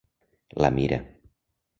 La Mira.